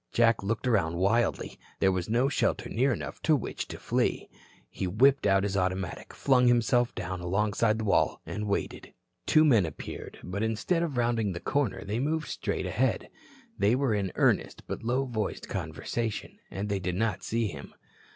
Jack looked around wildly. There was no shelter near enough to which to flee. He whipped out his automatic, flung himself down alongside the wall, and waited. Two men appeared, but instead of rounding the corner they moved straight ahead. They were in earnest, but low voiced conversation. They did not see him.